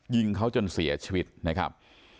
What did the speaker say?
ยิงเขาจนเสียชีวิตนะครับ